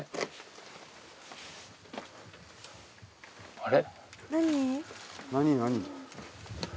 あれ？